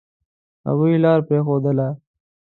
هغوی لار پرېښودله.